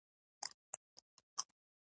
په کال څلور سوه اته ویشت هجري قمري وفات شو.